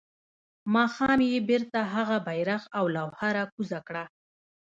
ماښام يې بيرته هغه بيرغ او لوحه راکوزه کړه.